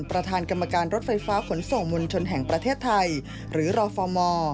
ประธานกรรมการรถไฟฟ้าขนส่งมวลชนแห่งประเทศไทยหรือรฟม